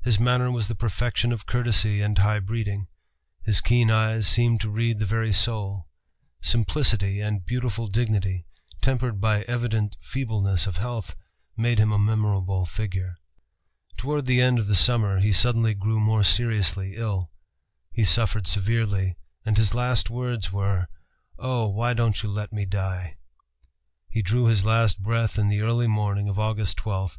His manner was the perfection of courtesy and high breeding. His keen eyes seemed to read the very soul. Simplicity and beautiful dignity, tempered by evident feebleness of health, made him a memorable figure. Toward the end of the summer he suddenly grew more seriously ill. He suffered severely, and his last words were, "Oh! why don't you let me die?" He drew his last breath in the early morning of Aug. 12, 1891.